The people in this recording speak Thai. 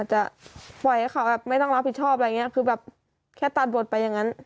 จะปล่อยให้เขาแบบไม่ต้องรับผิดชอบอะไรอย่างเงี้ยคือแบบแค่ตัดบทไปอย่างนั้น